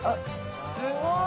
すごい！